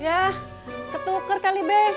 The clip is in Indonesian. ya ketuker kali be